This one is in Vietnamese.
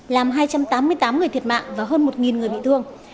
làm hai trăm tám mươi tám người thiệt mạng và hơn một người bị thương